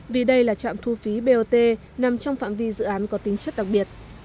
vì đây là trạm thu phí bot nằm trong phạm vi dự án có tính chất đặc biệt